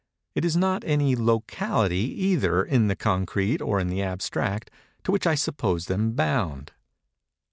It is not any locality, either in the concrete or in the abstract, to which I suppose them bound.